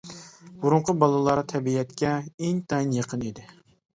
بۇرۇنقى بالىلار تەبىئەتكە ئىنتايىن يېقىن ئىدى.